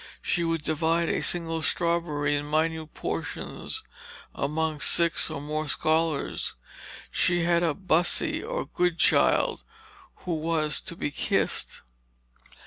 She would divide a single strawberry in minute portions among six or more scholars; and she had a "bussee," or good child, who was to be kissed.